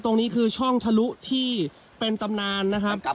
ตรงนี้คือช่องทะลุที่เป็นตำนานนะครับ